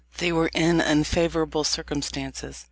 They were in unfavourable circumstances.